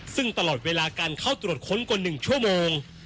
ซึ่งตลอดเวลาการเข้าตรวจค้นกว่า๑ชั่วโมง